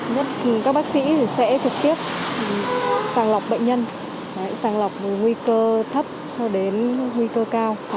nhất các bác sĩ sẽ trực tiếp sàng lọc bệnh nhân sàng lọc nguy cơ thấp cho đến nguy cơ cao